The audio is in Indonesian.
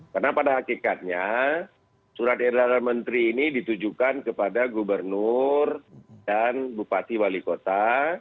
karena pada hakikatnya surat edaran menteri ini ditujukan kepada gubernur dan bupati wali kota